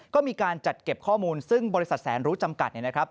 ก็มีการจัดเก็บข้อมูลซึ่งบริษัทแสนรู้จำกัดเนี่ยนะครับ